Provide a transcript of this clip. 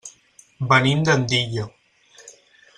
Venim d'Andilla.